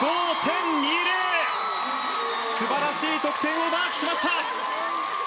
素晴らしい得点をマークしました！